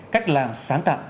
cách làm sáng tạo